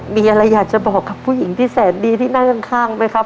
มีอะไรอยากจะบอกกับผู้หญิงที่แสนดีที่นั่งข้างไหมครับ